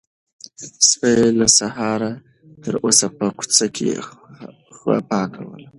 سپي له سهاره تر اوسه په کوڅه کې غپا کوله.